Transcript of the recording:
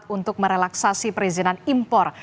untuk merelaksasi perizinan impor